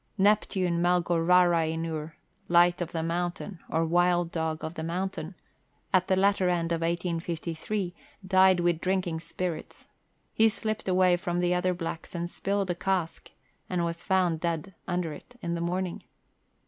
Neptune Melgorarainur (Light of the Mountain or Wild dog of the Mountain), at the latter end of 1853, died with drinking spirits ; he slipped away from the other blacks and spilled a cask, and was found dead under it in the morning.